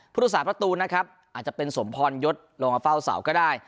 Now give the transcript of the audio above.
พุทธศาสตร์ประตูนะครับอาจจะเป็นสมพรยศลงกับเฝ้าเสาก็ได้